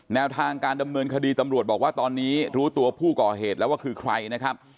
แนวทางการดำเนินคดีตำรวจบอกว่าตอนนี้รู้ตัวผู้ก่อเหตุแล้วว่าคือใครนะครับ